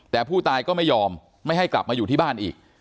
แต่ผู้ตายก็ไม่ยอมไม่ให้กลับมาอยู่ที่บ้านอีก